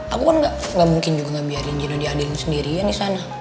aku kan gak mungkin juga gak biarin gino diadilin sendirian di sana